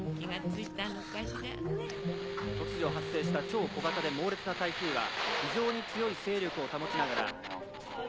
突如発生した超小型で猛烈な台風は非常に強い勢力を保ちながら。